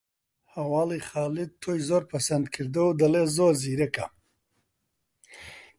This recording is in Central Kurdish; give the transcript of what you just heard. هەواڵی خالید تۆی زۆر پەسند کردووە و دەڵێ زۆر زیرەکە